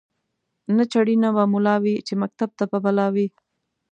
نه چړي نه به مُلا وی چي مکتب ته به بلا وي